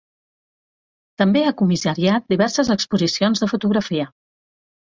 També ha comissariat diverses exposicions de fotografia.